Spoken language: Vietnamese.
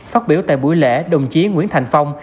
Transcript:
phát biểu tại buổi lễ đồng chí nguyễn thành phong